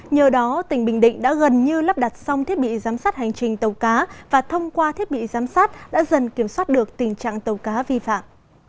nhờ đó tỉnh bình định đã gần như lắp đặt xong thiết bị giám sát hành trình tàu cá và thông qua thiết bị giám sát đã dần kiểm soát được tình trạng tàu cá vi phạm